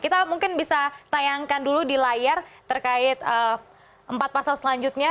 kita mungkin bisa tayangkan dulu di layar terkait empat pasal selanjutnya